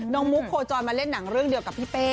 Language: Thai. มุกโคจรมาเล่นหนังเรื่องเดียวกับพี่เป้